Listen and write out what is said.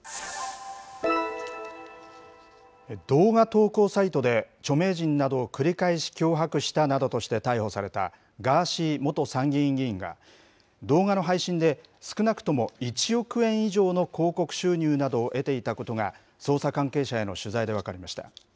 動画投稿サイトで、著名人などを繰り返し脅迫したなどとして逮捕された、ガーシー元参議院議員が、動画の配信で、少なくとも１億円以上の広告収入などを得ていたことが、捜査関係者への取材で分かりました。